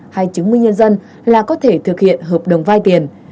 hay chứng minh nhân dân là có thể thực hiện hợp đồng vai tiền